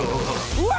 うわ！